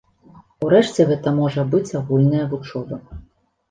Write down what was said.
Урэшце гэта можа быць агульная вучоба.